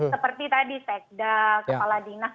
seperti tadi sekda kepala dinas